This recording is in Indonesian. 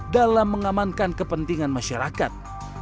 dalam mengamankan kepentingan masyarakat